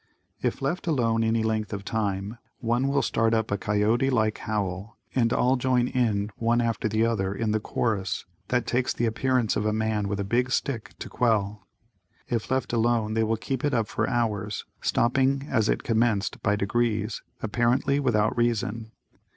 If left alone any length of time, one will start up a coyote like howl and all join in one after the other in the chorus that takes the appearance of a man with a "big stick" to quell. If left alone they will keep it up for hours, stopping as it commenced by degrees, apparently without reason.